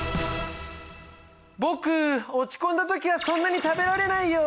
僕落ち込んだ時はそんなに食べられないよ。